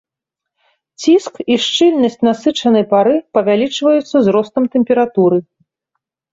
Ціск і шчыльнасць насычанай пары павялічваюцца з ростам тэмпературы.